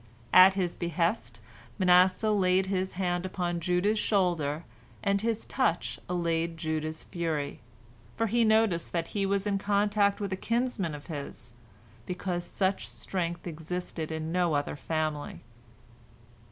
At his behest, Manasseh laid his hand upon Judah's shoulder, and his touch allayed Judah's fury, for he noticed that he was in contact with a kinsman of his, because such strength existed in no other family.